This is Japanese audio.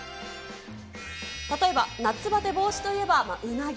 例えば、夏バテ防止といえば、うなぎ。